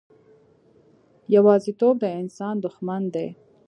یوازیتوب د انسان دښمن دی.